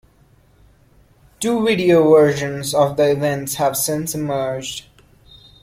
Two video versions of the events have since emerged.